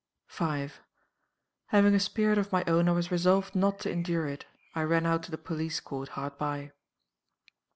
5. "Having a spirit of my own, I was resolved not to endure it. I ran out to the Police Court, hard by.